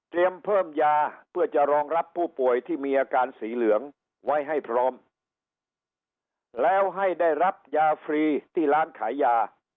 เพิ่มยาเพื่อจะรองรับผู้ป่วยที่มีอาการสีเหลืองไว้ให้พร้อมแล้วให้ได้รับยาฟรีที่ร้านขายยา